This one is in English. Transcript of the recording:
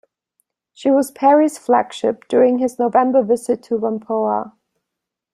She was Perry's flagship during his November visit to Whampoa.